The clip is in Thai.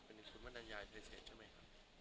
เป็นคุณมนตรายายเทศใช่มั้ยครับ